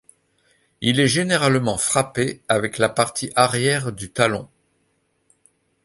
Il est généralement frappé avec la partie arrière du talon.